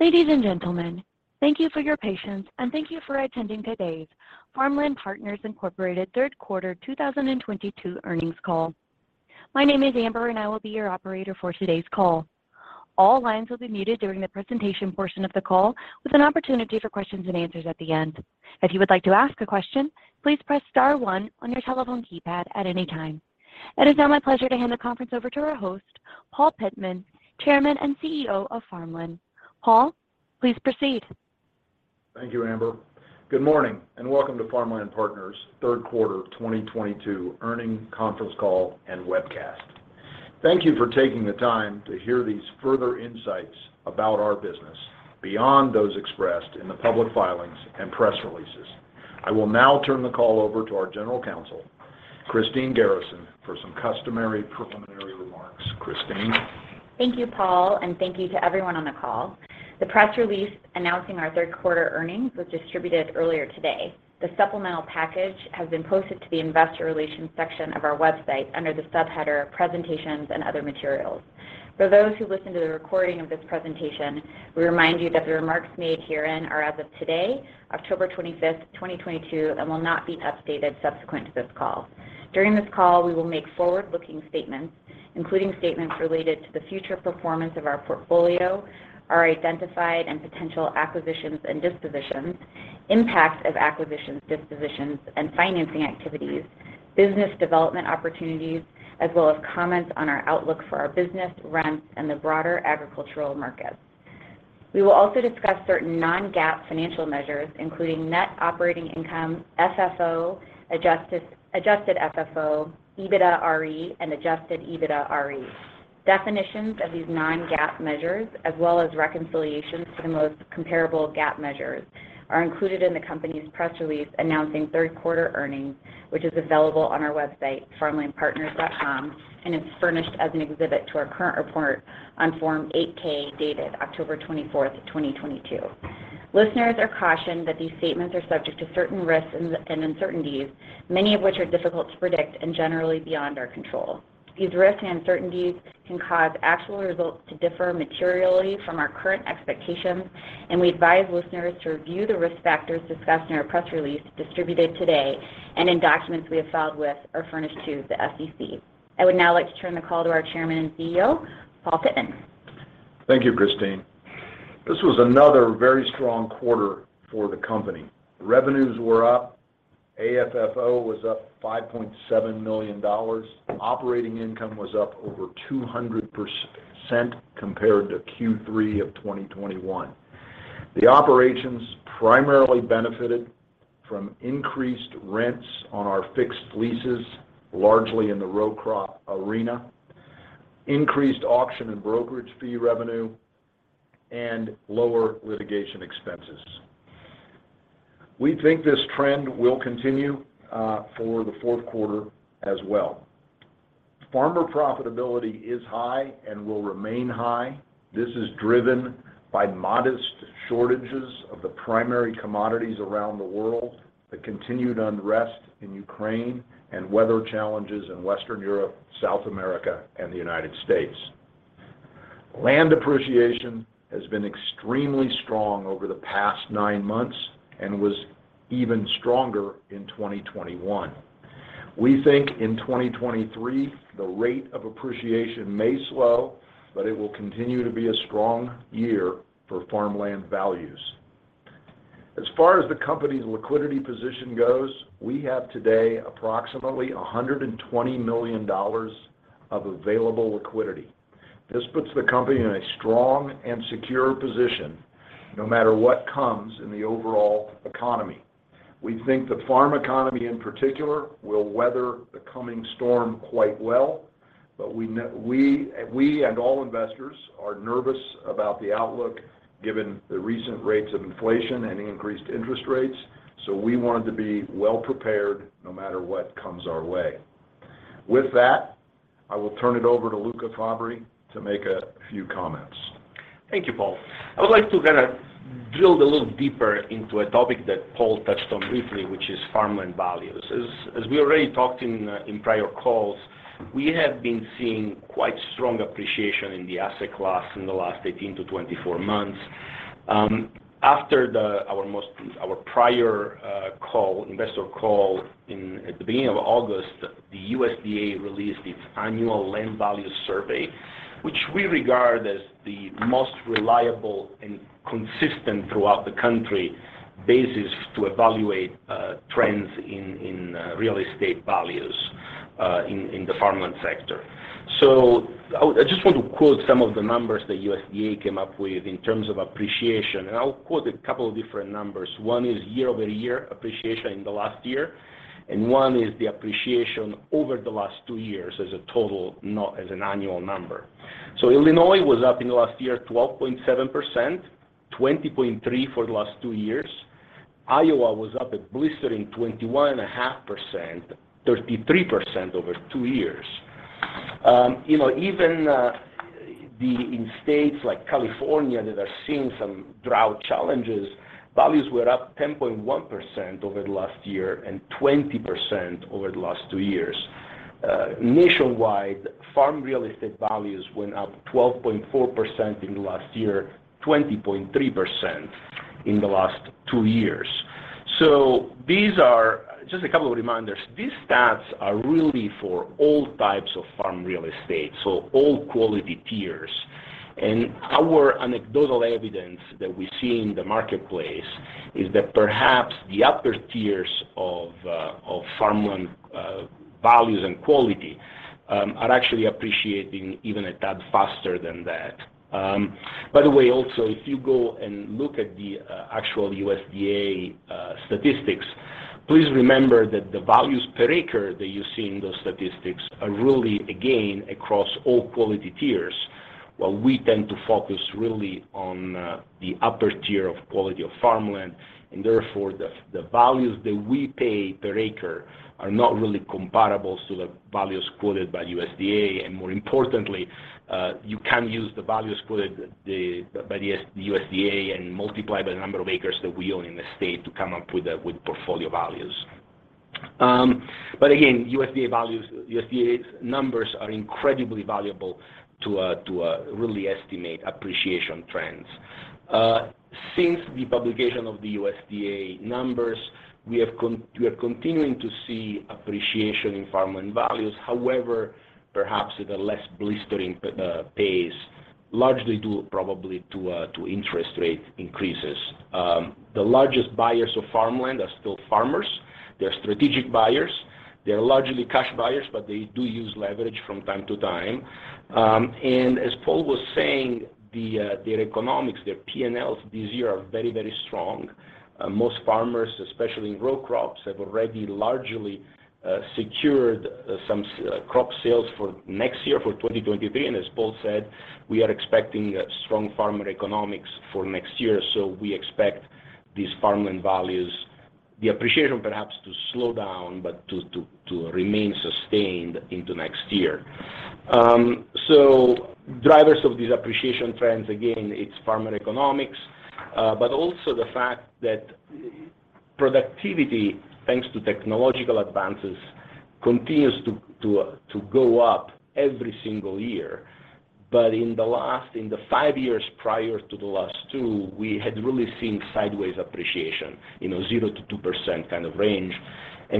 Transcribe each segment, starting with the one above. Ladies and gentlemen, thank you for your patience and thank you for attending today's Farmland Partners Incorporated third quarter 2022 earnings call. My name is Amber, and I will be your operator for today's call. All lines will be muted during the presentation portion of the call, with an opportunity for questions and answers at the end. If you would like to ask a question, please press star one on your telephone keypad at any time. It is now my pleasure to hand the conference over to our host, Paul Pittman, Chairman and CEO of Farmland. Paul, please proceed. Thank you, Amber. Good morning, and welcome to Farmland Partners' third quarter 2022 earnings conference call and webcast. Thank you for taking the time to hear these further insights about our business beyond those expressed in the public filings and press releases. I will now turn the call over to our General Counsel, Christine Garrison, for some customary preliminary remarks. Christine. Thank you, Paul, and thank you to everyone on the call. The press release announcing our third quarter earnings was distributed earlier today. The supplemental package has been posted to the Investor Relations section of our website under the subheader, Presentations and Other Materials. For those who listen to the recording of this presentation, we remind you that the remarks made herein are as of today, October 25th, 2022, and will not be updated subsequent to this call. During this call, we will make forward-looking statements, including statements related to the future performance of our portfolio, our identified and potential acquisitions and dispositions, impact of acquisitions, dispositions, and financing activities, business development opportunities, as well as comments on our outlook for our business rents and the broader agricultural markets. We will also discuss certain non-GAAP financial measures, including net operating income, FFO, adjusted FFO, EBITDAre, and adjusted EBITDAre. Definitions of these non-GAAP measures, as well as reconciliations to the most comparable GAAP measures, are included in the company's press release announcing third quarter earnings, which is available on our website, farmlandpartners.com, and is furnished as an exhibit to our current report on Form 8-K, dated October 24th, 2022. Listeners are cautioned that these statements are subject to certain risks and uncertainties, many of which are difficult to predict and generally beyond our control. These risks and uncertainties can cause actual results to differ materially from our current expectations, and we advise listeners to review the risk factors discussed in our press release distributed today and in documents we have filed with or furnished to the SEC. I would now like to turn the call to our Chairman and CEO, Paul Pittman. Thank you, Christine. This was another very strong quarter for the company. Revenues were up. AFFO was up $5.7 million. Operating income was up over 200% compared to Q3 of 2021. The operations primarily benefited from increased rents on our fixed leases, largely in the row crop arena, increased auction and brokerage fee revenue, and lower litigation expenses. We think this trend will continue for the fourth quarter as well. Farmer profitability is high and will remain high. This is driven by modest shortages of the primary commodities around the world, the continued unrest in Ukraine, and weather challenges in Western Europe, South America, and the United States. Land appreciation has been extremely strong over the past nine months and was even stronger in 2021. We think in 2023 the rate of appreciation may slow, but it will continue to be a strong year for farmland values. As far as the company's liquidity position goes, we have today approximately $120 million of available liquidity. This puts the company in a strong and secure position no matter what comes in the overall economy. We think the farm economy in particular will weather the coming storm quite well, but we and all investors are nervous about the outlook given the recent rates of inflation and increased interest rates, so we wanted to be well-prepared no matter what comes our way. With that, I will turn it over to Luca Fabbri to make a few comments. Thank you, Paul. I would like to kind of drill a little deeper into a topic that Paul touched on briefly, which is farmland values. We already talked in prior calls, we have been seeing quite strong appreciation in the asset class in the last 18-24 months. After our prior investor call at the beginning of August, the USDA released its annual land value survey, which we regard as the most reliable and consistent throughout the country basis to evaluate trends in real estate values in the farmland sector. I just want to quote some of the numbers the USDA came up with in terms of appreciation, and I'll quote a couple of different numbers. One is year-over-year appreciation in the last year, and one is the appreciation over the last two years as a total, not as an annual number. Illinois was up in the last year 12.7%, 20.3% for the last two years. Iowa was up at a blistering 21.5%, 33% over two years. You know, even in states like California that are seeing some drought challenges, values were up 10.1% over the last year and 20% over the last two years. Nationwide, farm real estate values went up 12.4% in the last year, 20.3% in the last two years. These are just a couple of reminders. These stats are really for all types of farm real estate, so all quality tiers. Our anecdotal evidence that we see in the marketplace is that perhaps the upper tiers of farmland values and quality are actually appreciating even a tad faster than that. By the way, also, if you go and look at the actual USDA statistics, please remember that the values per acre that you see in those statistics are really, again, across all quality tiers, while we tend to focus really on the upper tier of quality of farmland. Therefore, the values that we pay per acre are not really comparable to the values quoted by USDA. More importantly, you can use the values quoted by the USDA and multiply by the number of acres that we own in the state to come up with the portfolio values. Again, USDA values, USDA numbers are incredibly valuable to really estimate appreciation trends. Since the publication of the USDA numbers, we are continuing to see appreciation in farmland values. However, perhaps at a less blistering pace, largely due probably to interest rate increases. The largest buyers of farmland are still farmers. They're strategic buyers. They're largely cash buyers, but they do use leverage from time to time. As Paul was saying, their economics, their P&Ls this year are very, very strong. Most farmers, especially in row crops, have already largely secured some crop sales for next year, for 2023. As Paul said, we are expecting a strong farmer economics for next year, so we expect these farmland values, the appreciation perhaps to slow down, but to remain sustained into next year. Drivers of these appreciation trends, again, it's farmer economics, but also the fact that productivity, thanks to technological advances, continues to go up every single year. In the five years prior to the last two, we had really seen sideways appreciation, you know, 0%-2% kind of range.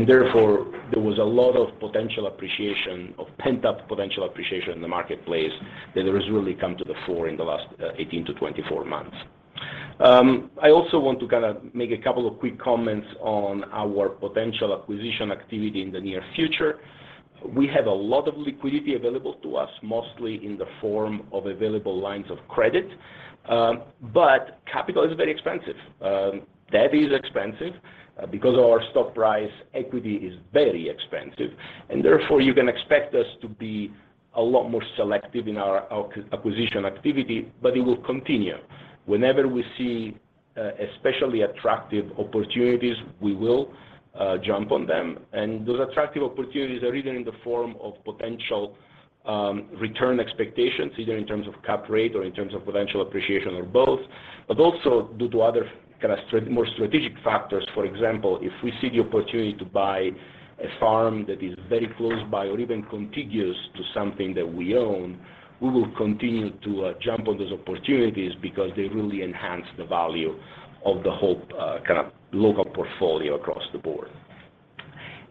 Therefore, there was a lot of potential appreciation or pent-up potential appreciation in the marketplace that has really come to the fore in the last 18-24 months. I also want to kind of make a couple of quick comments on our potential acquisition activity in the near future. We have a lot of liquidity available to us, mostly in the form of available lines of credit, but capital is very expensive. Debt is expensive. Because of our stock price, equity is very expensive. Therefore, you can expect us to be a lot more selective in our acquisition activity, but it will continue. Whenever we see especially attractive opportunities, we will jump on them. Those attractive opportunities are either in the form of potential return expectations, either in terms of cap rate or in terms of potential appreciation or both, but also due to other kind of more strategic factors. For example, if we see the opportunity to buy a farm that is very close by or even contiguous to something that we own, we will continue to jump on those opportunities because they really enhance the value of the whole kind of local portfolio across the board.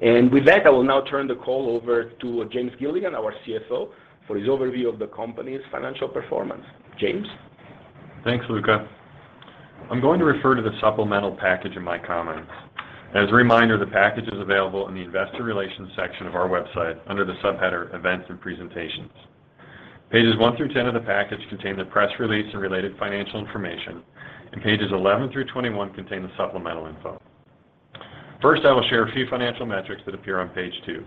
With that, I will now turn the call over to James Gilligan, our CFO, for his overview of the company's financial performance. James. Thanks, Luca. I'm going to refer to the supplemental package in my comments. As a reminder, the package is available in the Investor Relations section of our website under the subheader Events and Presentations. Pages one through 10 of the package contain the press release and related financial information, and pages 11 through 21 contain the supplemental info. First, I will share a few financial metrics that appear on page two.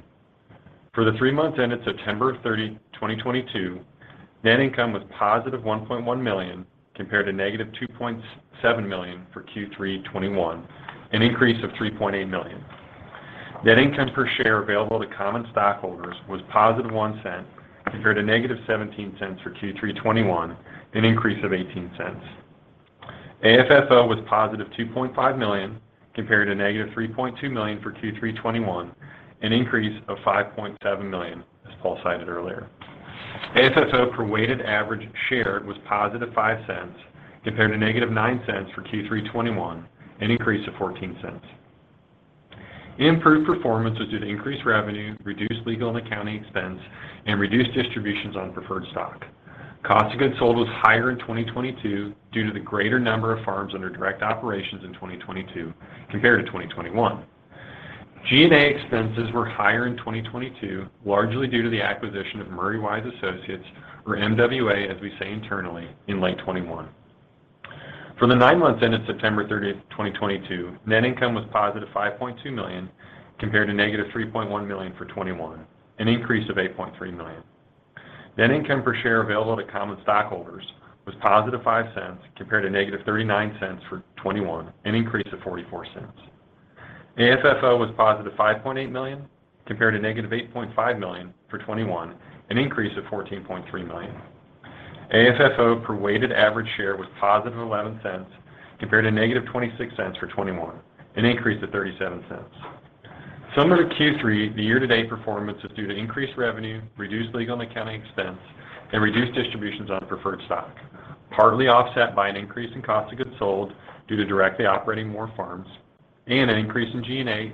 For the three months ended September 30, 2022, net income was $1.1 million, compared to -$2.7 million for Q3 2021, an increase of $3.8 million. Net income per share available to common stockholders was $0.01, compared to -$0.17 for Q3 2021, an increase of $0.18. AFFO was $2.5 million, compared to -$3.2 million for Q3 2021, an increase of $5.7 million, as Paul cited earlier. AFFO per weighted average share was $0.05, compared to -$0.09 for Q3 2021, an increase of $0.14. Improved performance was due to increased revenue, reduced legal and accounting expense, and reduced distributions on preferred stock. Cost of goods sold was higher in 2022 due to the greater number of farms under direct operations in 2022 compared to 2021. G&A expenses were higher in 2022, largely due to the acquisition of Murray Wise Associates, or MWA, as we say internally, in late 2021. For the nine months ended September 30th, 2022, net income was $5.2 million, compared to -$3.1 million for 2021, an increase of $8.3 million. Net income per share available to common stockholders was $0.05, compared to -$0.39 for 2021, an increase of $0.44. AFFO was $5.8 million, compared to -$8.5 million for 2021, an increase of $14.3 million. AFFO per weighted average share was $0.11 compared to -$0.26 for 2021, an increase of $0.37. Similar to Q3, the year-to-date performance is due to increased revenue, reduced legal and accounting expense, and reduced distributions on preferred stock, partly offset by an increase in cost of goods sold due to directly operating more farms and an increase in G&A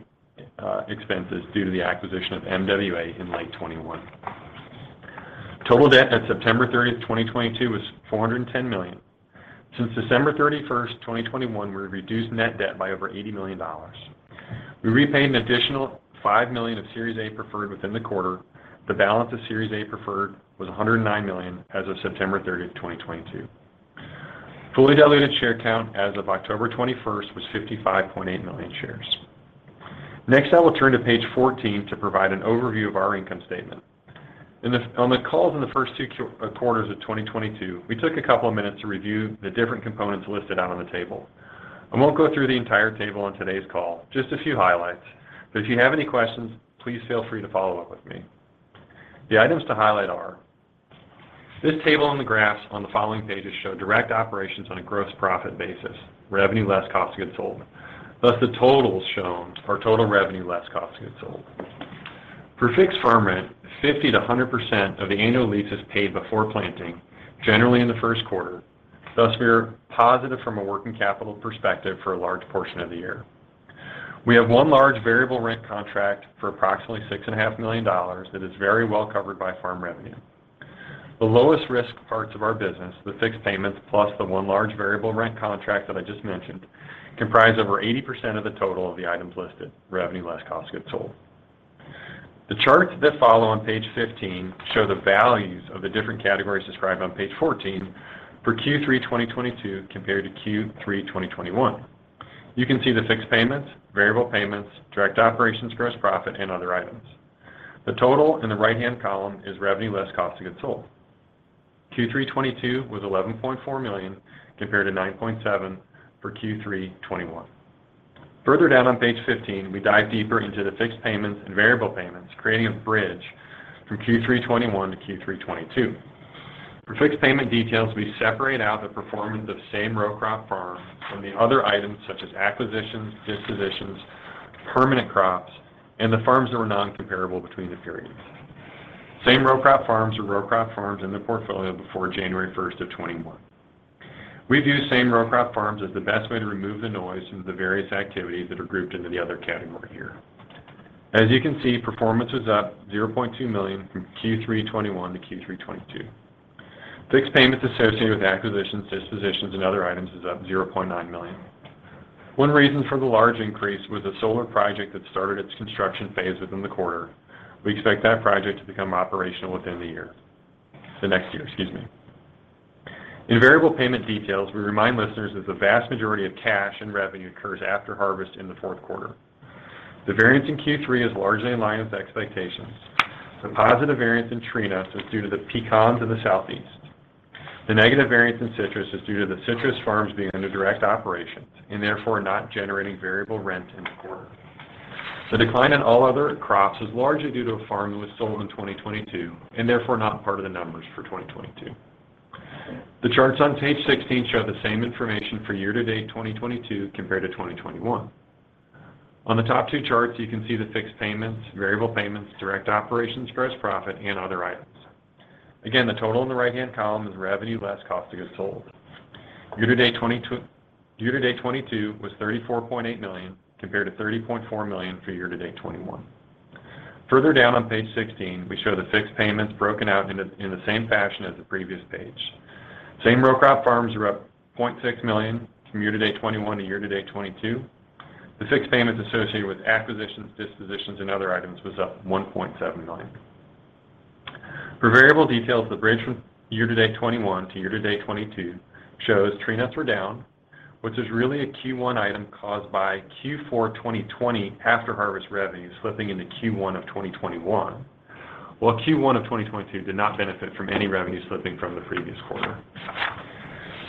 expenses due to the acquisition of MWA in late 2021. Total debt at September 30th, 2022 was $410 million. Since December 31st, 2021, we reduced net debt by over $80 million. We repaid an additional $5 million of Series A preferred within the quarter. The balance of Series A preferred was $109 million as of September 30th, 2022. Fully diluted share count as of October 21st was 55.8 million shares. Next, I will turn to page 14 to provide an overview of our income statement. On the calls in the first two quarters of 2022, we took a couple of minutes to review the different components listed out on the table. I won't go through the entire table on today's call, just a few highlights. If you have any questions, please feel free to follow up with me. The items to highlight are this table on the graphs on the following pages show direct operations on a gross profit basis, revenue less cost of goods sold. Thus, the totals shown are total revenue less cost of goods sold. For fixed farm rent, 50%-100% of the annual lease is paid before planting, generally in the first quarter. Thus, we are positive from a working capital perspective for a large portion of the year. We have one large variable rent contract for approximately $6.5 million that is very well covered by farm revenue. The lowest risk parts of our business, the fixed payments plus the one large variable rent contract that I just mentioned, comprise over 80% of the total of the items listed, revenue less cost of goods sold. The charts that follow on page 15 show the values of the different categories described on page 14 for Q3 2022 compared to Q3 2021. You can see the fixed payments, variable payments, direct operations gross profit, and other items. The total in the right-hand column is revenue less cost of goods sold. Q3 2022 was $11.4 million compared to $9.7 million for Q3 2021. Further down on page 15, we dive deeper into the fixed payments and variable payments, creating a bridge from Q3 2021 to Q3 2022. For fixed payment details, we separate out the performance of same row crop farms from the other items such as acquisitions, dispositions, permanent crops, and the farms that were non-comparable between the periods. Same row crop farms are row crop farms in the portfolio before January 1st, 2021. We view same row crop farms as the best way to remove the noise from the various activities that are grouped into the other category here. As you can see, performance was up $0.2 million from Q3 2021 to Q3 2022. Fixed payments associated with acquisitions, dispositions, and other items is up $0.9 million. One reason for the large increase was a solar project that started its construction phase within the quarter. We expect that project to become operational within the next year. In variable payment details, we remind listeners that the vast majority of cash and revenue occurs after harvest in the fourth quarter. The variance in Q3 is largely in line with expectations. The positive variance in tree nuts is due to the pecans in the Southeast. The negative variance in citrus is due to the citrus farms being under direct operations and therefore not generating variable rent in the quarter. The decline in all other crops is largely due to a farm that was sold in 2022 and therefore not part of the numbers for 2022. The charts on page 16 show the same information for year-to-date 2022 compared to 2021. On the top two charts, you can see the fixed payments, variable payments, direct operations gross profit, and other items. Again, the total in the right-hand column is revenue less cost of goods sold. Year-to-date 2022 was $34.8 million compared to $30.4 million for year-to-date 2021. Further down on page 16, we show the fixed payments broken out in the same fashion as the previous page. Same row crop farms were up $0.6 million from year-to-date 2021 to year-to-date 2022. The fixed payments associated with acquisitions, dispositions, and other items was up $1.7 million. For variable details, the bridge from year-to-date 2021 to year-to-date 2022 shows tree nuts were down, which is really a Q1 item caused by Q4 2020 after harvest revenues slipping into Q1 of 2021. Well, Q1 of 2022 did not benefit from any revenue slipping from the previous quarter.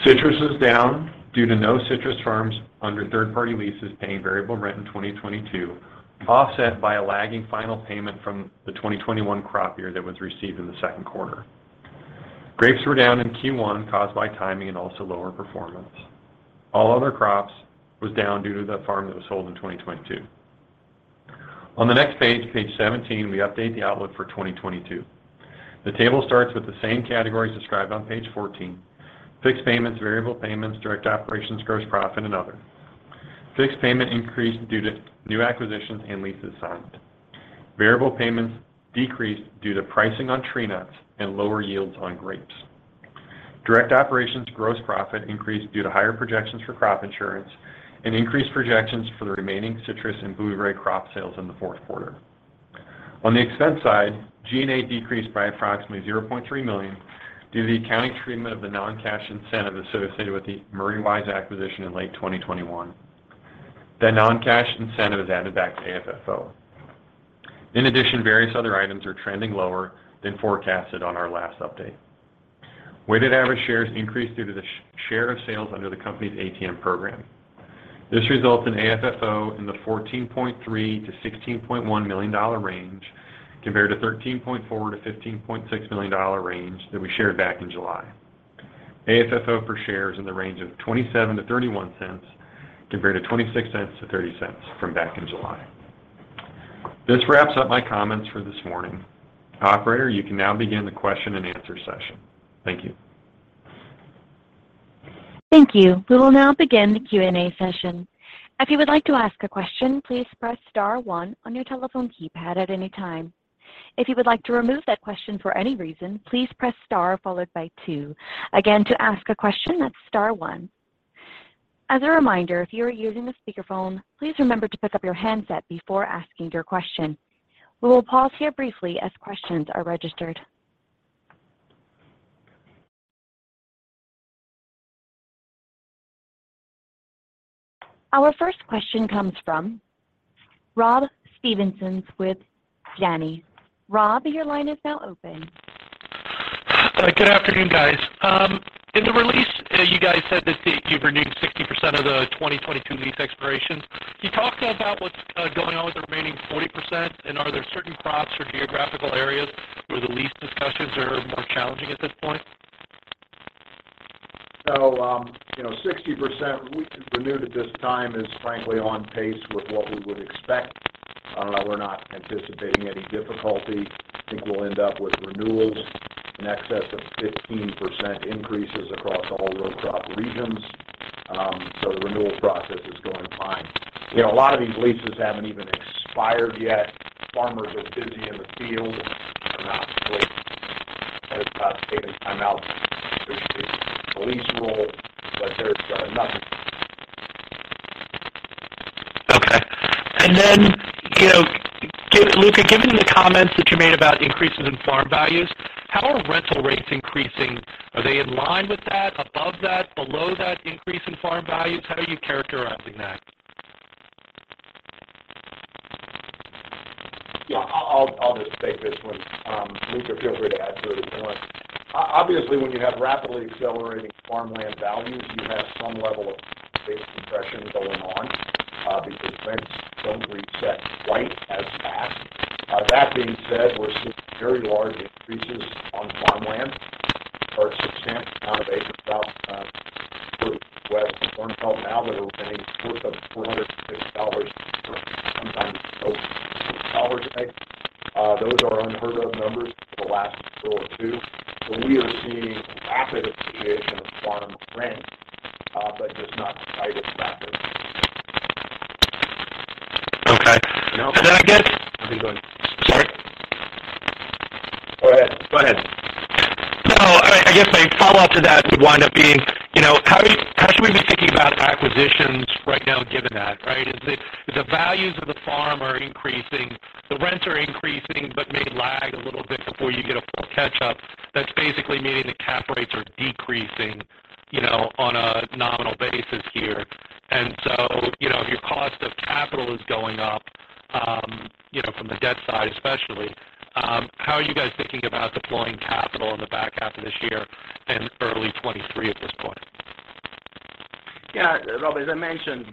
Citrus is down due to no citrus farms under third-party leases paying variable rent in 2022, offset by a lagging final payment from the 2021 crop year that was received in the second quarter. Grapes were down in Q1 caused by timing and also lower performance. All other crops was down due to the farm that was sold in 2022. On the next page 17, we update the outlook for 2022. The table starts with the same categories described on page 14: fixed payments, variable payments, direct operations gross profit, and other. Fixed payment increased due to new acquisitions and leases signed. Variable payments decreased due to pricing on tree nuts and lower yields on grapes. Direct operations gross profit increased due to higher projections for crop insurance and increased projections for the remaining citrus and blueberry crop sales in the fourth quarter. On the expense side, G&A decreased by approximately $0.3 million due to the accounting treatment of the non-cash incentive associated with the Murray Wise acquisition in late 2021. The non-cash incentive is added back to AFFO. In addition, various other items are trending lower than forecasted on our last update. Weighted average shares increased due to the share of sales under the company's ATM program. This results in AFFO in the $14.3 million-$16.1 million range compared to $13.4 million-$15.6 million range that we shared back in July. AFFO per share is in the range of $0.27-$0.31 compared to $0.26-$0.30 from back in July. This wraps up my comments for this morning. Operator, you can now begin the question and answer session. Thank you. Thank you. We will now begin the Q&A session. If you would like to ask a question, please press star one on your telephone keypad at any time. If you would like to remove that question for any reason, please press star followed by two. Again, to ask a question, that's star one. As a reminder, if you are using a speakerphone, please remember to pick up your handset before asking your question. We will pause here briefly as questions are registered. Our first question comes from Rob Stevenson with Janney. Rob, your line is now open. Good afternoon, guys. In the release, you guys said that you've renewed 60% of the 2022 lease expirations. Can you talk to us about what's going on with the remaining 40%, and are there certain crops or geographical areas where the lease discussions are more challenging at this point? You know, 60% we've renewed at this time is frankly on pace with what we would expect. We're not anticipating any difficulty. I think we'll end up with renewals in excess of 15% increases across the whole row crop regions. The renewal process is going fine. You know, a lot of these leases haven't even expired yet. Farmers are busy in the field. They're not really taking time out to pursue the lease renewal, but there's nothing. Okay. You know, Luca, given the comments that you made about increases in farm values, how are rental rates increasing? Are they in line with that, above that, below that increase in farm values? How are you characterizing that? Yeah, I'll just take this one. Luca, feel free to add to it if you want. Obviously, when you have rapidly accelerating farmland values, you have some level of base compression going on, because rents don't reset quite as fast. That being said, we're seeing very large increases on farmland for a substantial amount of acreage out in the Corn Belt now that are renting for up to $450 an acre, sometimes over $500 an acre. Those are unheard of numbers for the last four. We are seeing rapid appreciation of farm rent, but just not quite as rapid. Okay. I guess- I think. Sorry. Go ahead. I guess my follow-up to that would wind up being, you know, how should we be thinking about acquisitions right now given that, right? If the values of the farm are increasing, the rents are increasing, but may lag a little bit before you get a full catch-up. That's basically meaning the cap rates are decreasing, you know, on a nominal basis here. You know, if your cost of capital is going up, from the debt side especially, how are you guys thinking about deploying capital in the back half of this year and early 2023 at this point? Yeah. Rob, as I mentioned,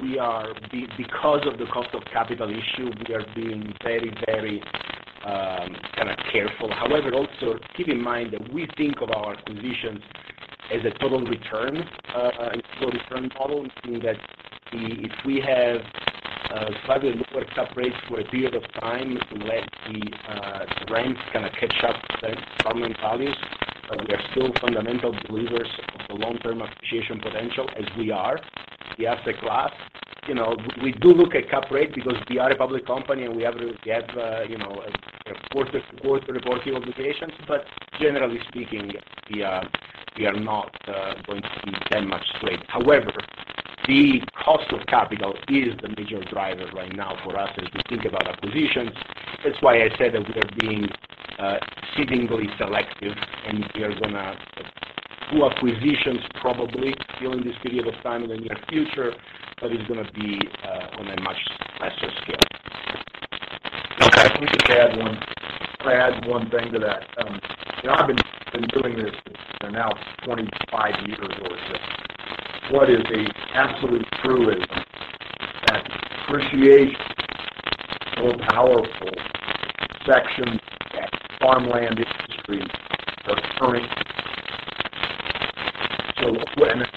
because of the cost of capital issue, we are being very kind of careful. However, also keep in mind that we think of our acquisitions as a total return model, meaning that if we have slightly lower cap rates for a period of time to let the rents kind of catch up with the farmland values, but we are still fundamental believers of the long-term appreciation potential as we are. We have the grasp. You know, we do look at cap rate because we are a public company and we have to have you know, quarter reporting obligations. Generally speaking, we are not going to be that much later. However, the cost of capital is the major driver right now for us as we think about acquisitions. That's why I said that we are being seemingly selective and we are gonna do acquisitions probably during this period of time in the near future, but it's gonna be on a much lesser scale. Okay. Let me just add one thing to that. You know, I've been doing this for now 25 years or so. What is absolutely true is that appreciation is so powerful in the farmland industry versus equipment.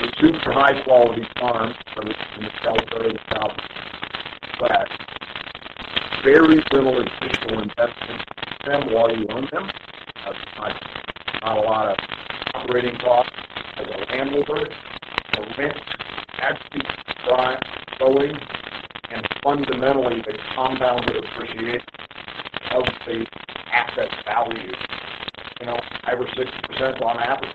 The super high-quality farms are in the South, but very little additional investment required while you own them. Not a lot of operating costs as a landowner. The rent actually rises slowly. Fundamentally, the compounded appreciation of the asset value, you know, 5%-6% on average.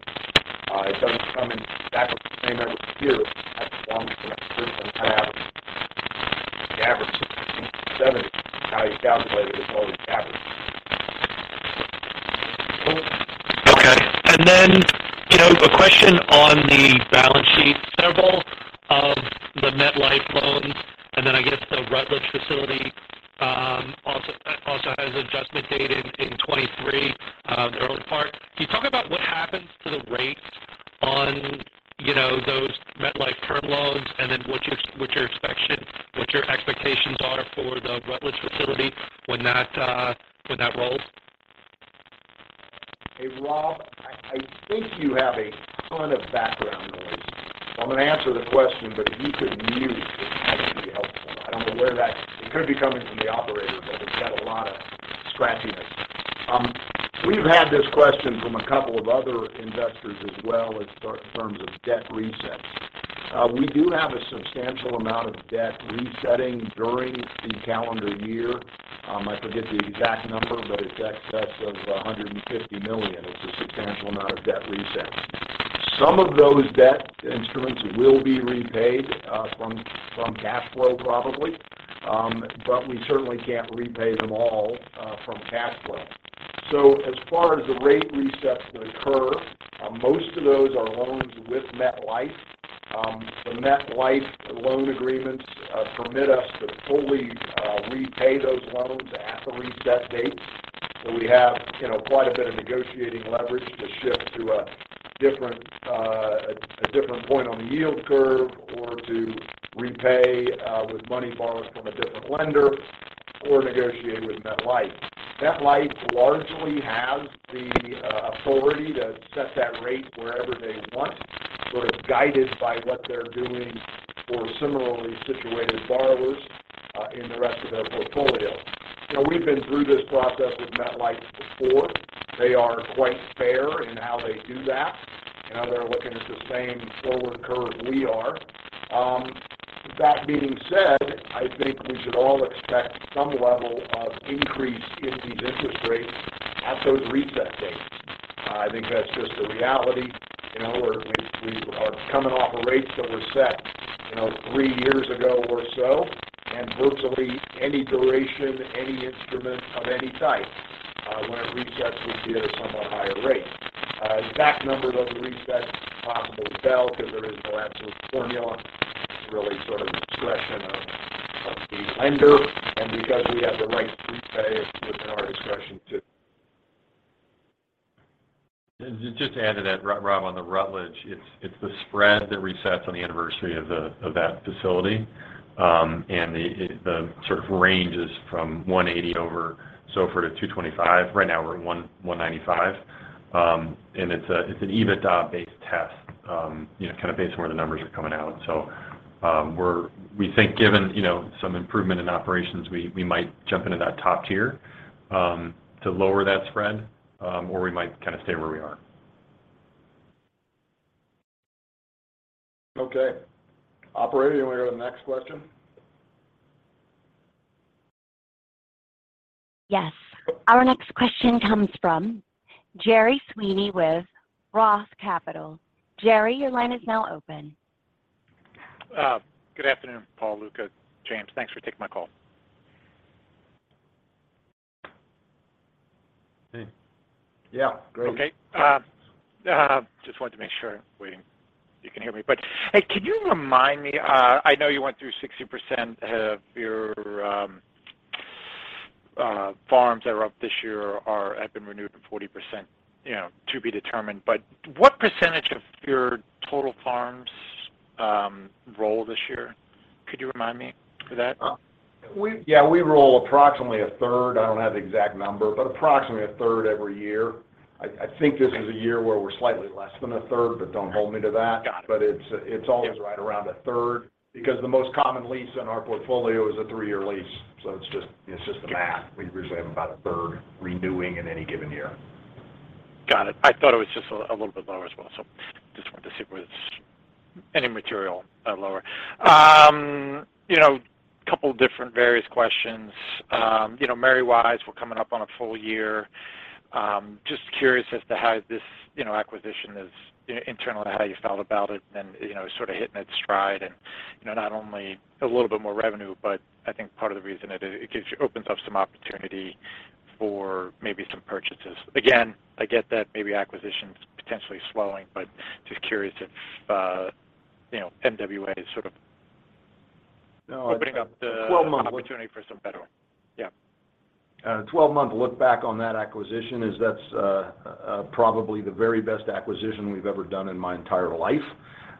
It doesn't come in exactly the same every year. Average 7%. How you calculate it's always average. Okay. You know, a question on the balance sheet. Several of the MetLife loans, and then I guess the Rutledge Facility also has an adjustment date in 2023, the early part. Can you talk about what happens to the rates on, you know, those MetLife term loans, and then what your expectations are for the Rutledge Facility when that rolls? Hey, Rob, I think you have a ton of background noise. I'm gonna answer the question, but if you could mute, it'd actually be helpful. I don't know where that is. It could be coming from the operator, but it's got a lot of scratchiness. We've had this question from a couple of other investors as well in terms of debt resets. We do have a substantial amount of debt resetting during the calendar year. I forget the exact number, but it's in excess of $150 million. It's a substantial amount of debt resets. Some of those debt instruments will be repaid from cash flow probably. We certainly can't repay them all from cash flow. As far as the rate resets that occur, most of those are loans with MetLife. The MetLife loan agreements permit us to fully repay those loans at the reset dates. We have, you know, quite a bit of negotiating leverage to shift to a different point on the yield curve or to repay with money borrowed from a different lender or negotiate with MetLife. MetLife largely has the authority to set that rate wherever they want, sort of guided by what they're doing for similarly situated borrowers in the rest of their portfolio. You know, we've been through this process with MetLife before. They are quite fair in how they do that, and now they're looking at the same forward curve we are. That being said, I think we should all expect some level of increase in these interest rates at those reset dates. I think that's just the reality. You know, we are coming off of rates that were set, you know, three years ago or so, and virtually any duration, any instrument of any type, when it resets, we see it at a somewhat higher rate. Exact numbers of the resets are possible to tell 'cause there is no absolute formula. It's really sort of a discretion of the lender. Because we have the right to repay, it's within our discretion to- Just to add to that, Rob, on the Rutledge. It's the spread that resets on the anniversary of that facility. It sort of ranges from 1.80% over SOFR to 2.25%. Right now we're at 1.95%. It's an EBITDA-based test, you know, kind of based on where the numbers are coming out. We think given, you know, some improvement in operations, we might jump into that top tier to lower that spread, or we might kind of stay where we are. Okay. Operator, you want to go to the next question? Yes. Our next question comes from Gerry Sweeney with ROTH Capital. Jerry, your line is now open. Good afternoon, Paul, Luca, James. Thanks for taking my call. Hey. Yeah. Great. Okay. Just wanted to make sure you can hear me. Hey, can you remind me? I know you went through 60% of your farms that are up this year have been renewed, and 40%, you know, to be determined, but what percentage of your total farms roll this year? Could you remind me of that? Yeah, we roll approximately 1/3. I don't have the exact number, but approximately 1/3 every year. I think this is a year where we're slightly less than 1/3, but don't hold me to that. Got it. It's always right around 1/3 because the most common lease in our portfolio is a three-year lease. It's just the math. We usually have about 1/3 renewing in any given year. Got it. I thought it was just a little bit lower as well, so just wanted to see if it was any material lower. You know, a couple different various questions. You know, Murray Wise, we're coming up on a full year. Just curious as to how this acquisition is internally, how you felt about it and, you know, sort of hitting its stride and, you know, not only a little bit more revenue, but I think part of the reason it opens up some opportunity for maybe some purchases. Again, I get that maybe acquisition's potentially slowing, but just curious if, you know, MWA is sort of- No.... opening up the- 12-month look-... opportunity for some federal. Yeah. 12-month look back on that acquisition is that probably the very best acquisition we've ever done in my entire life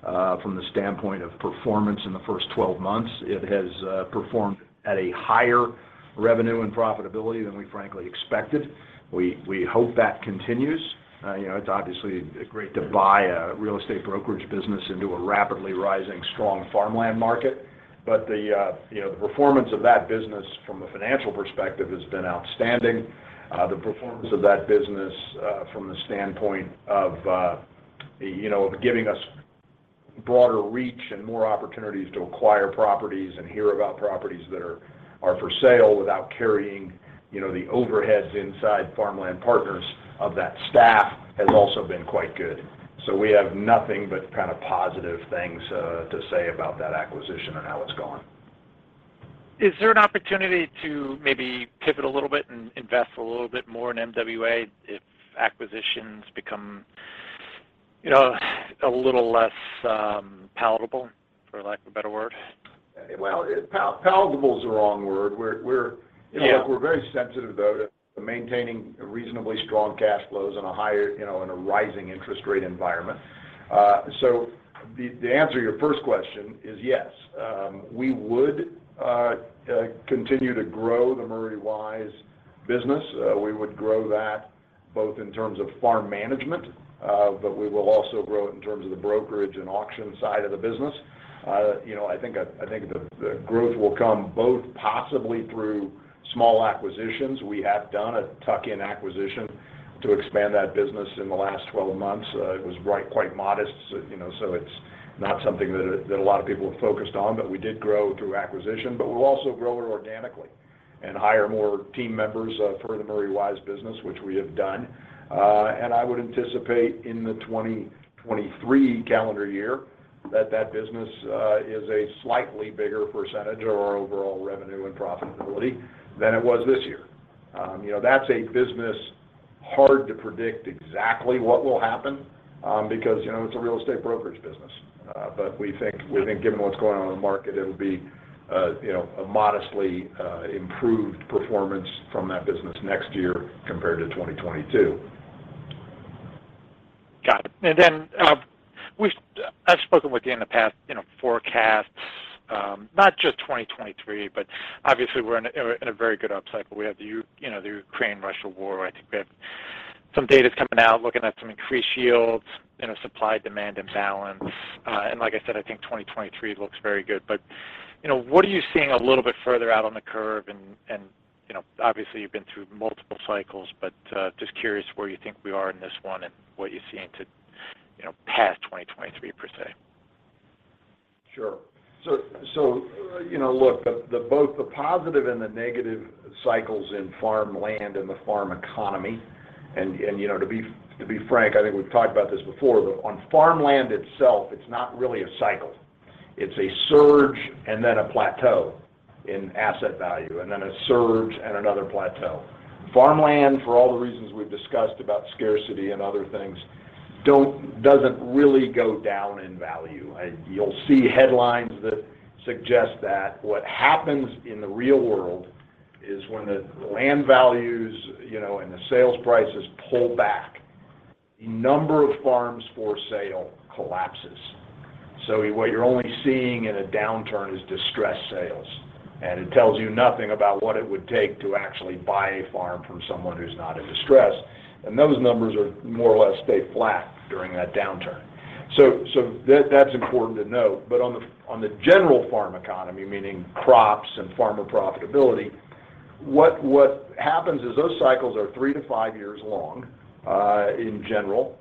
from the standpoint of performance in the first 12 months. It has performed at a higher revenue and profitability than we frankly expected. We hope that continues. You know, it's obviously great to buy a real estate brokerage business into a rapidly rising strong farmland market. The performance of that business from a financial perspective has been outstanding. The performance of that business from the standpoint of giving us broader reach and more opportunities to acquire properties and hear about properties that are for sale without carrying the overheads inside Farmland Partners of that staff has also been quite good. We have nothing but kind of positive things to say about that acquisition and how it's going. Is there an opportunity to maybe pivot a little bit and invest a little bit more in MWA if acquisitions become, you know, a little less palatable, for lack of a better word? Well, palatable is the wrong word. We're- Yeah.... you know, we're very sensitive about maintaining a reasonably strong cash flows on a higher, you know, in a rising interest rate environment. The answer to your first question is yes. We would continue to grow the Murray Wise business. We would grow that both in terms of farm management, but we will also grow it in terms of the brokerage and auction side of the business. You know, I think the growth will come both possibly through small acquisitions. We have done a tuck-in acquisition to expand that business in the last 12 months. It was quite modest, you know, so it's not something that a lot of people have focused on, but we did grow through acquisition. We'll also grow it organically and hire more team members for the Murray Wise business, which we have done. I would anticipate in the 2023 calendar year that that business is a slightly bigger percentage of our overall revenue and profitability than it was this year. You know, that's a business hard to predict exactly what will happen, because you know, it's a real estate brokerage business. We think given what's going on in the market, it'll be a you know a modestly improved performance from that business next year compared to 2022. Got it. I've spoken with you in the past, you know, forecasts, not just 2023, but obviously we're in a very good up cycle. We have, you know, the Ukraine-Russia war. I think we have some data coming out looking at some increased yields, you know, supply-demand imbalance. Like I said, I think 2023 looks very good. What are you seeing a little bit further out on the curve? You know, obviously you've been through multiple cycles, but just curious where you think we are in this one and what you're seeing, too, you know, past 2023 per se. Sure. You know, look, the both the positive and the negative cycles in farmland and the farm economy, and you know, to be frank, I think we've talked about this before. On farmland itself, it's not really a cycle. It's a surge and then a plateau in asset value, and then a surge and another plateau. Farmland, for all the reasons we've discussed about scarcity and other things, doesn't really go down in value. You'll see headlines that suggest that. What happens in the real world is when the land values, you know, and the sales prices pull back, the number of farms for sale collapses. What you're only seeing in a downturn is distressed sales, and it tells you nothing about what it would take to actually buy a farm from someone who's not in distress. Those numbers are more or less stay flat during that downturn. That's important to note. On the general farm economy, meaning crops and farmer profitability, what happens is those cycles are three to five years long, in general.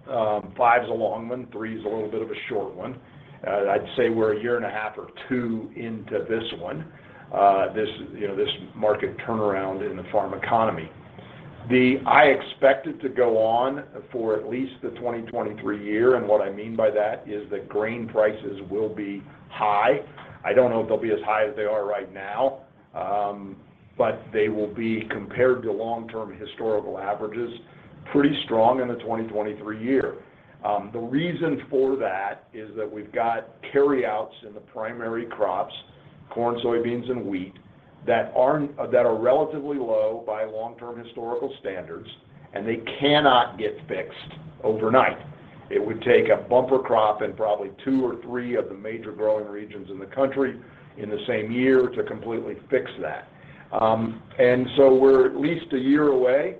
Five's a long one, three's a little bit of a short one. I'd say we're 1.5 or two years into this one, you know, this market turnaround in the farm economy. I expect it to go on for at least the 2023 year, and what I mean by that is that grain prices will be high. I don't know if they'll be as high as they are right now, but they will be compared to long-term historical averages, pretty strong in the 2023 year. The reason for that is that we've got carryouts in the primary crops, corn, soybeans, and wheat, that are relatively low by long-term historical standards, and they cannot get fixed overnight. It would take a bumper crop in probably two or three of the major growing regions in the country in the same year to completely fix that. We're at least a year away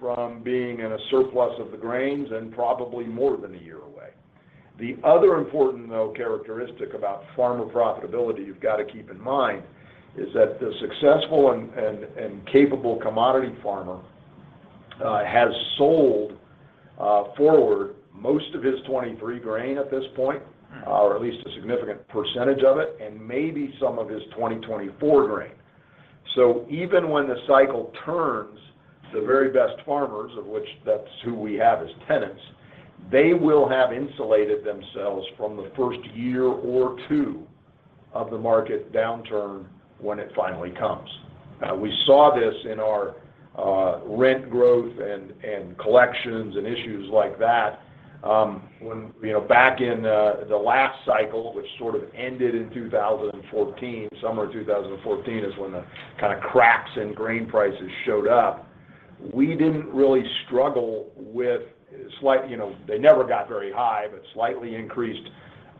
from being in a surplus of the grains and probably more than a year away. The other important though characteristic about farmer profitability you've got to keep in mind is that the successful and capable commodity farmer has sold forward most of his 2023 grain at this point or at least a significant percentage of it, and maybe some of his 2024 grain. Even when the cycle turns, the very best farmers, of which that's who we have as tenants, they will have insulated themselves from the first year or two of the market downturn when it finally comes. We saw this in our rent growth and collections and issues like that, when, you know, back in the last cycle, which sort of ended in 2014, summer of 2014 is when the kind of cracks in grain prices showed up. We didn't really struggle with you know, they never got very high, but slightly increased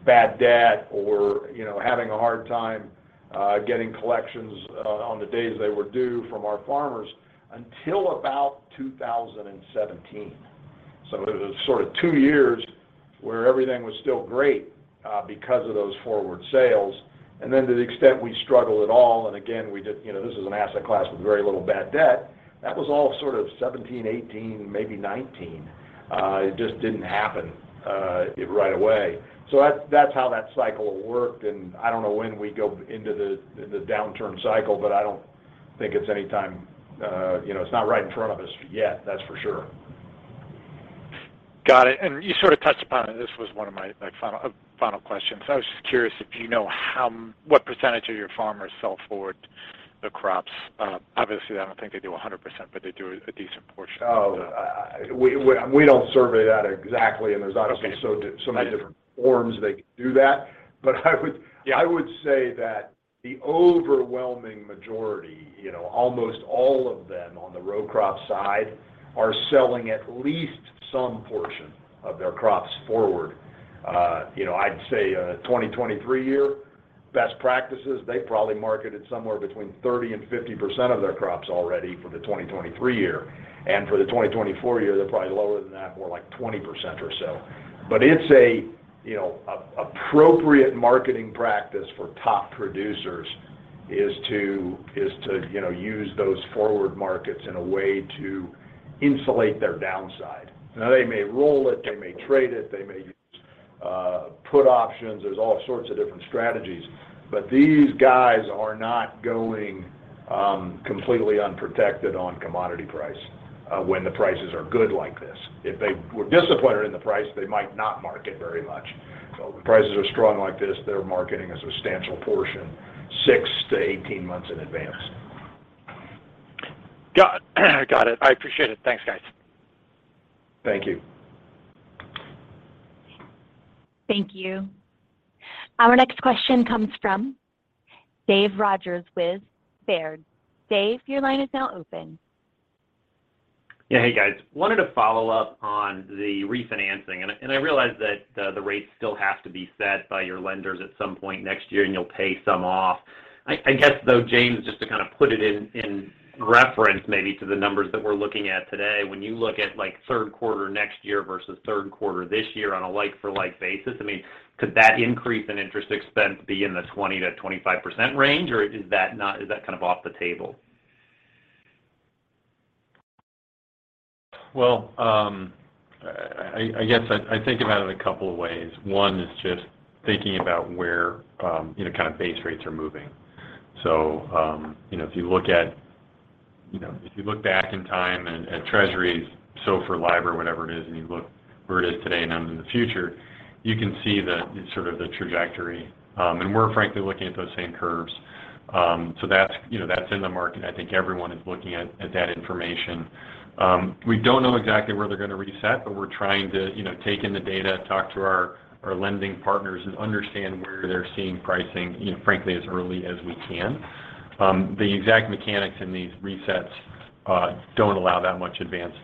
bad debt or, you know, having a hard time getting collections on the days they were due from our farmers until about 2017. It was sort of two years where everything was still great, because of those forward sales. Then to the extent we struggle at all, and again, we did you know, this is an asset class with very little bad debt, that was all sort of 2017, 2018, maybe 2019. It just didn't happen right away. That's how that cycle worked, and I don't know when we go into the downturn cycle, but I don't think it's any time you know, it's not right in front of us yet, that's for sure. Got it. You sort of touched upon it. This was one of my final questions. I was just curious if you know what percentage of your farmers sell forward the crops? Obviously, I don't think they do 100%, but they do a decent portion. We don't survey that exactly. Okay. There's obviously so many different forms they can do that. I would- Yeah. I would say that the overwhelming majority, you know, almost all of them on the row crop side are selling at least some portion of their crops forward. You know, I'd say, 2023 year best practices, they probably marketed somewhere between 30% and 50% of their crops already for the 2023 year. For the 2024 year, they're probably lower than that, more like 20% or so. It's a, you know, appropriate marketing practice for top producers is to, you know, use those forward markets in a way to insulate their downside. Now, they may roll it, they may trade it, they may use put options. There's all sorts of different strategies. These guys are not going completely unprotected on commodity price when the prices are good like this. If they were disappointed in the price, they might not market very much. If the prices are strong like this, they're marketing a substantial portion six to 18 months in advance. Got it. I appreciate it. Thanks, guys. Thank you. Thank you. Our next question comes from Dave Rodgers with Baird. Dave, your line is now open. Yeah. Hey, guys. Wanted to follow up on the refinancing. I realize that the rates still have to be set by your lenders at some point next year, and you'll pay some off. I guess, though, James, just to kind of put it in reference maybe to the numbers that we're looking at today, when you look at like third quarter next year versus third quarter this year on a like-for-like basis, I mean, could that increase in interest expense be in the 20%-25% range, or is that kind of off the table? Well, I guess I think about it a couple of ways. One is just thinking about where, you know, kind of base rates are moving. You know, if you look back in time at Treasuries, SOFR, LIBOR, whatever it is, and you look where it is today and out into the future, you can see the sort of trajectory. We're frankly looking at those same curves. That's, you know, in the market. I think everyone is looking at that information. We don't know exactly where they're gonna reset, but we're trying to, you know, take in the data, talk to our lending partners, and understand where they're seeing pricing, you know, frankly as early as we can. The exact mechanics in these resets don't allow that much advanced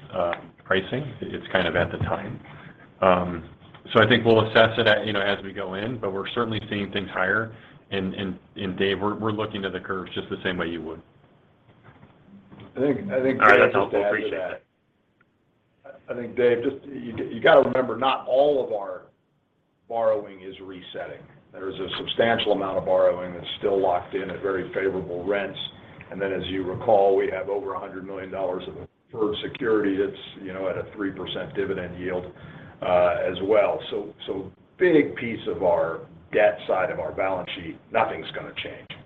pricing. It's kind of at the time. So I think we'll assess it at, you know, as we go in, but we're certainly seeing things higher. Dave, we're looking at the curves just the same way you would. I think, Dave, just to add to that. All right. That's helpful. Appreciate it. I think, Dave, just you gotta remember, not all of our borrowing is resetting. There's a substantial amount of borrowing that's still locked in at very favorable rates. Then as you recall, we have over $100 million of preferred security that's, you know, at a 3% dividend yield, as well. So big piece of our debt side of our balance sheet, nothing's gonna change.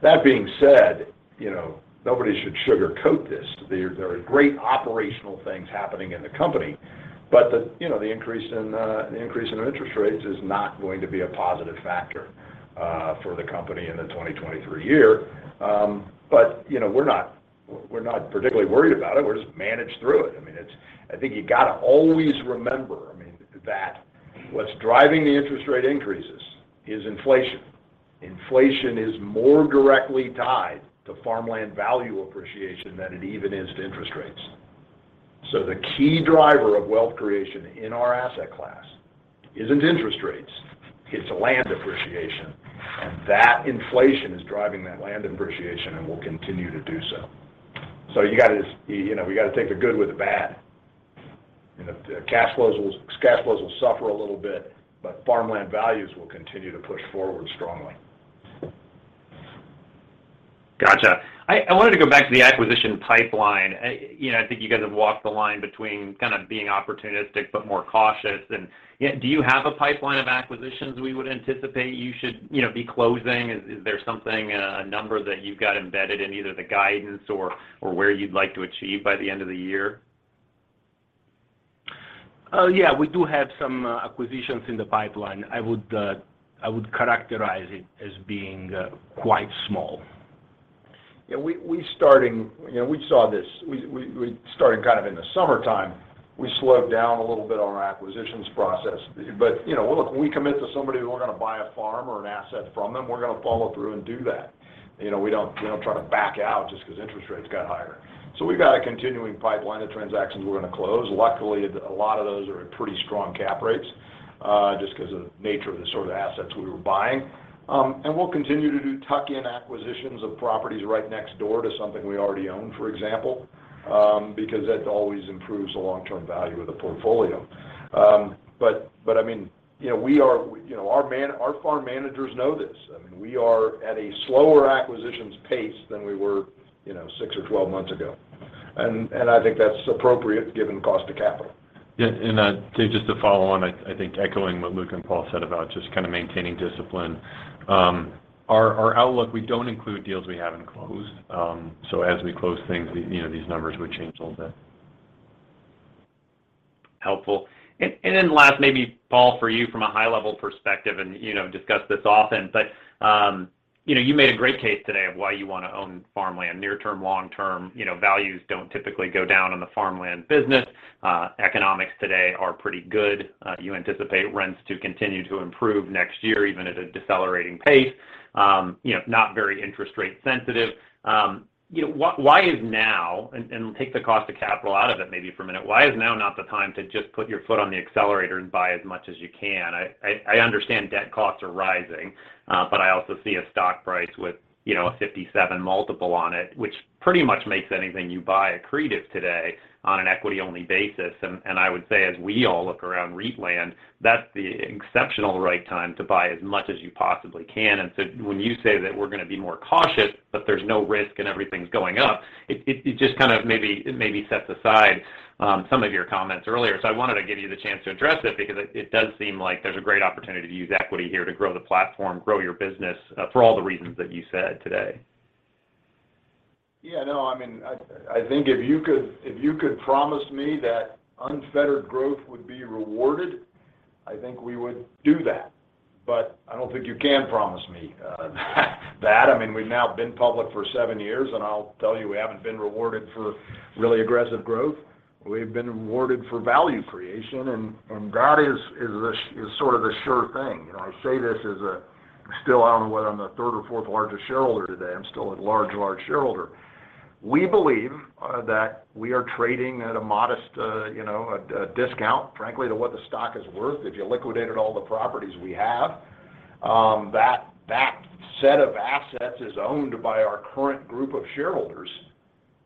That being said, you know, nobody should sugarcoat this. There are great operational things happening in the company, but the, you know, the increase in interest rates is not going to be a positive factor for the company in the 2023 year. You know, we're not particularly worried about it. We'll just manage through it. I mean, it's. I think you gotta always remember, I mean, that what's driving the interest rate increases is inflation. Inflation is more directly tied to farmland value appreciation than it even is to interest rates. The key driver of wealth creation in our asset class isn't interest rates. It's land appreciation. That inflation is driving that land appreciation and will continue to do so. You gotta, you know, we gotta take the good with the bad. The cash flows will suffer a little bit, but farmland values will continue to push forward strongly. Gotcha. I wanted to go back to the acquisition pipeline. You know, I think you guys have walked the line between kind of being opportunistic but more cautious. You know, do you have a pipeline of acquisitions we would anticipate you should, you know, be closing? Is there something, a number that you've got embedded in either the guidance or where you'd like to achieve by the end of the year? Yeah, we do have some acquisitions in the pipeline. I would characterize it as being quite small. You know, we saw this. We started kind of in the summertime. We slowed down a little bit on our acquisitions process. You know, look, when we commit to somebody that we're gonna buy a farm or an asset from them, we're gonna follow through and do that. You know, we don't try to back out just 'cause interest rates got higher. We got a continuing pipeline of transactions we're gonna close. Luckily, a lot of those are at pretty strong cap rates, just 'cause of the nature of the sort of assets we were buying. And we'll continue to do tuck-in acquisitions of properties right next door to something we already own, for example, because that always improves the long-term value of the portfolio. I mean, you know, we are. You know, our farm managers know this. I mean, we are at a slower acquisitions pace than we were, you know, six or 12 months ago. I think that's appropriate given cost of capital. Yeah. Just to follow on, I think echoing what Luca and Paul said about just kind of maintaining discipline, our outlook, we don't include deals we haven't closed. As we close things, you know, these numbers would change a little bit. Helpful. Then last, maybe, Paul, for you from a high level perspective, and you know, discuss this often. You know, you made a great case today of why you wanna own farmland near-term, long-term. You know, values don't typically go down in the farmland business. Economics today are pretty good. You anticipate rents to continue to improve next year, even at a decelerating pace. You know, not very interest rate sensitive. You know, take the cost of capital out of it maybe for a minute. Why is now not the time to just put your foot on the accelerator and buy as much as you can? I understand debt costs are rising, but I also see a stock price with, you know, a 57 multiple on it, which pretty much makes anything you buy accretive today on an equity-only basis. I would say as we all look around REIT land, that's the exceptional right time to buy as much as you possibly can. When you say that we're gonna be more cautious, but there's no risk and everything's going up, it just kind of maybe sets aside some of your comments earlier. I wanted to give you the chance to address it because it does seem like there's a great opportunity to use equity here to grow the platform, grow your business, for all the reasons that you said today. Yeah, no, I mean, I think if you could promise me that unfettered growth would be rewarded, I think we would do that. I don't think you can promise me that. I mean, we've now been public for seven years, and I'll tell you, we haven't been rewarded for really aggressive growth. We've been rewarded for value creation, and that is sort of the sure thing. You know, I say this. Still, I don't know whether I'm the third or fourth largest shareholder today. I'm still a large shareholder. We believe that we are trading at a modest, you know, a discount, frankly, to what the stock is worth. If you liquidated all the properties we have, that set of assets is owned by our current group of shareholders.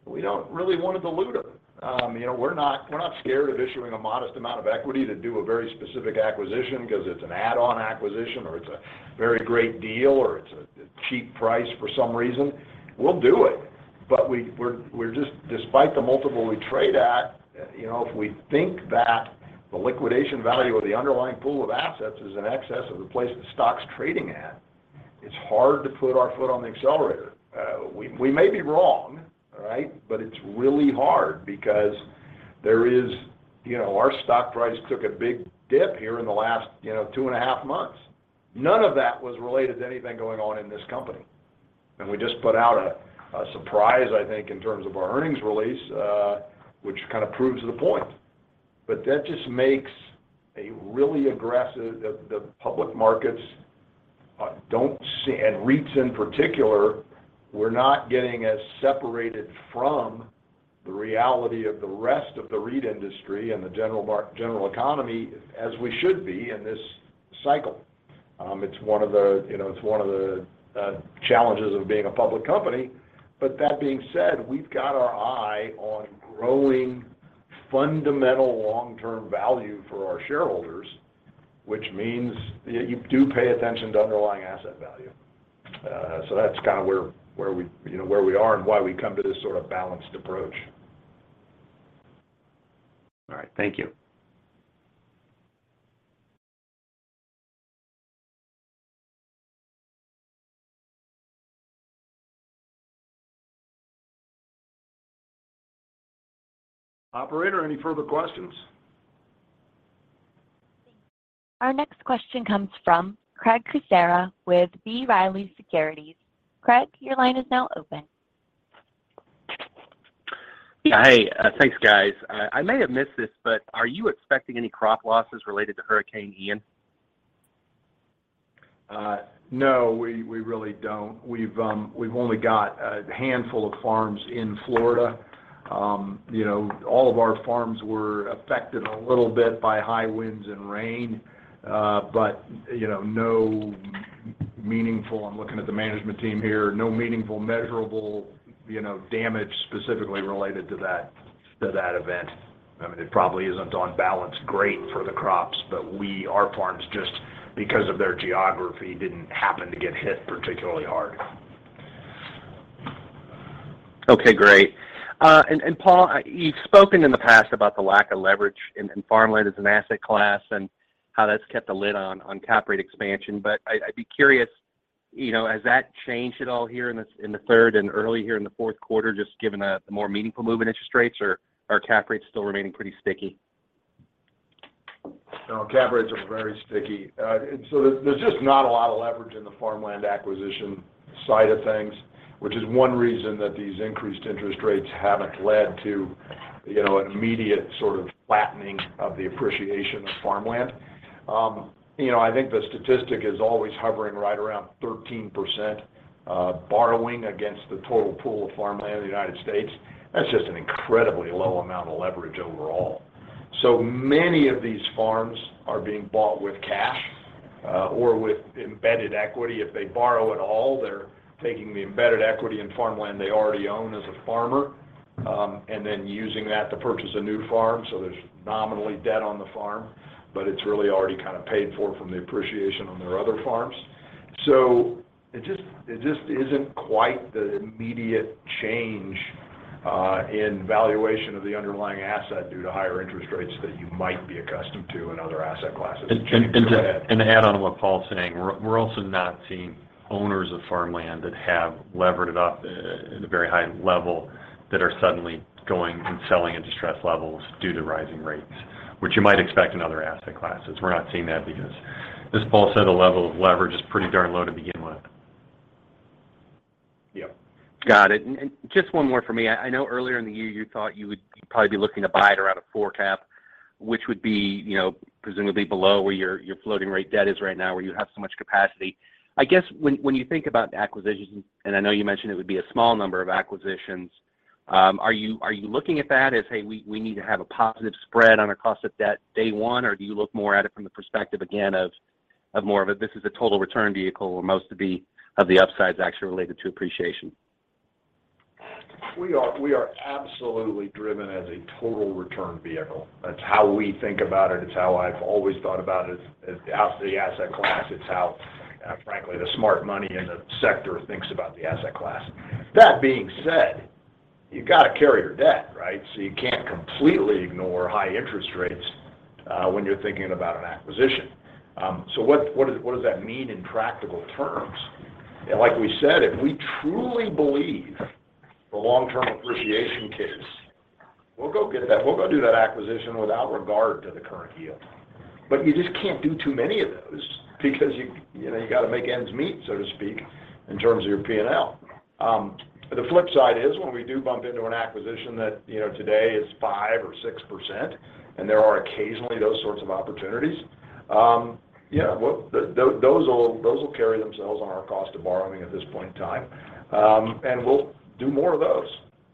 We don't really wanna dilute them. You know, we're not scared of issuing a modest amount of equity to do a very specific acquisition because it's an add-on acquisition, or it's a very great deal, or it's a cheap price for some reason. We'll do it. We're just despite the multiple we trade at. You know, if we think that the liquidation value of the underlying pool of assets is in excess of the place the stock's trading at, it's hard to put our foot on the accelerator. We may be wrong, right? It's really hard because there is you know, our stock price took a big dip here in the last, you know, 2.5 Months. None of that was related to anything going on in this company. We just put out a surprise, I think, in terms of our earnings release, which kind of proves the point. That just makes a really aggressive... The public markets don't see, REITs in particular, we're not getting as separated from the reality of the rest of the REIT industry and the general economy as we should be in this cycle. It's one of the, you know, challenges of being a public company. That being said, we've got our eye on growing fundamental long-term value for our shareholders, which means you do pay attention to underlying asset value. That's kind of where we, you know, where we are and why we come to this sort of balanced approach. All right. Thank you. Operator, any further questions? Our next question comes from Craig Kucera with B. Riley Securities. Craig, your line is now open. Yeah. Hey, thanks, guys. I may have missed this, but are you expecting any crop losses related to Hurricane Ian? No, we really don't. We've only got a handful of farms in Florida. You know, all of our farms were affected a little bit by high winds and rain, but you know, no meaningful. I'm looking at the management team here, no meaningful measurable, you know, damage specifically related to that event. I mean, it probably isn't on balance great for the crops, but our farms just because of their geography didn't happen to get hit particularly hard. Okay, great. Paul, you've spoken in the past about the lack of leverage in farmland as an asset class and how that's kept a lid on cap rate expansion. I'd be curious, you know, has that changed at all in the third and early in the fourth quarter, just given the more meaningful movement in interest rates, or are cap rates still remaining pretty sticky? No, cap rates are very sticky. There's just not a lot of leverage in the farmland acquisition side of things, which is one reason that these increased interest rates haven't led to, you know, an immediate sort of flattening of the appreciation of farmland. You know, I think the statistic is always hovering right around 13%, borrowing against the total pool of farmland in the United States. That's just an incredibly low amount of leverage overall. Many of these farms are being bought with cash or with embedded equity. If they borrow at all, they're taking the embedded equity in farmland they already own as a farmer and then using that to purchase a new farm. There's nominal debt on the farm, but it's really already kind of paid for from the appreciation on their other farms. It just isn't quite the immediate change in valuation of the underlying asset due to higher interest rates that you might be accustomed to in other asset classes. James, go ahead. To add on to what Paul's saying, we're also not seeing owners of farmland that have levered it up at a very high level that are suddenly going and selling at distressed levels due to rising rates, which you might expect in other asset classes. We're not seeing that because as Paul said, the level of leverage is pretty darn low to begin with. Yep. Got it. Just one more for me. I know earlier in the year you thought you would probably be looking to buy it around a 4 cap, which would be, you know, presumably below where your floating rate debt is right now, where you have so much capacity. I guess when you think about acquisitions, I know you mentioned it would be a small number of acquisitions. Are you looking at that as, hey, we need to have a positive spread on our cost of debt day one, or do you look more at it from the perspective again of more of a this is a total return vehicle where most of the upside is actually related to appreciation? We are absolutely driven as a total return vehicle. That's how we think about it. It's how I've always thought about it as the asset class. It's how frankly the smart money in the sector thinks about the asset class. That being said, you've got to carry your debt, right? You can't completely ignore high interest rates when you're thinking about an acquisition. What does that mean in practical terms? Like we said, if we truly believe the long-term appreciation case, we'll go get that. We'll go do that acquisition without regard to the current yield. You just can't do too many of those because you know you got to make ends meet, so to speak, in terms of your P&L. The flip side is when we do bump into an acquisition that, you know, today is 5% or 6%, and there are occasionally those sorts of opportunities. Those will carry themselves on our cost of borrowing at this point in time. We'll do more of those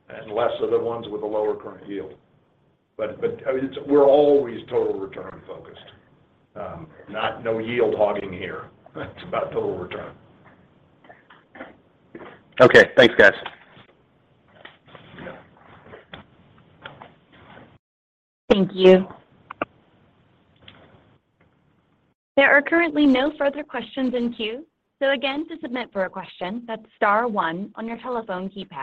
and less of the ones with a lower current yield. I mean, we're always total return focused. No yield hogging here. It's about total return. Okay. Thanks, guys. Yeah. Thank you. There are currently no further questions in queue. Again, to submit for a question, that's star one on your telephone keypad.